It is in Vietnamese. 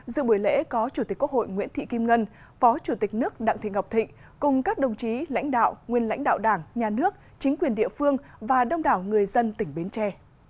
dự buổi lễ có chủ tịch quốc hội nguyễn thị kim ngân phó chủ tịch nước đặng thị ngọc thịnh cùng các đồng chí lãnh đạo nguyên lãnh đạo đảng nhà nước chính quyền địa phương và đông đảo người dân tỉnh bến tre